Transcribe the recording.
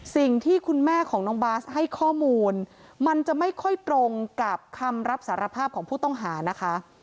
สิ่งที่คุณแม่ของน้องบาสให้ข้อมูลมันจะไม่ค่อยตรงกับคำรับสารภาพของผู้ต้องหานะคะ